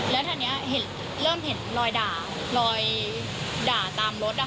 แล้วเขาถามว่าเขียนว่าอะไร